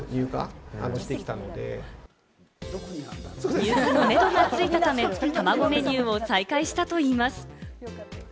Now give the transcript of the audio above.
入荷のめどがついたため、たまごメニューを再開したといいます。